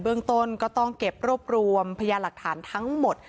เรื่องต้นก็ต้องเก็บรวบรวมพยาหลักฐานทั้งหมด